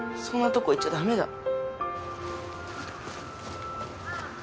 そんなとこいちゃダメだ